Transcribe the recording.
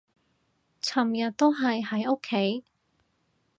尋日都係喺屋企